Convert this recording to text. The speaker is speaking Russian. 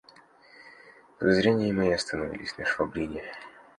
Подозрения мои остановились на Швабрине.